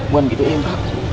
buat gitu ya pak